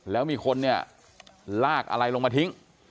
แล้วมีคนเนี่ยลากอะไรลงมาทิ้ง